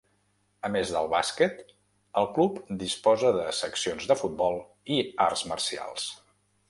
A més del bàsquet, el club disposa de seccions de futbol i arts marcials.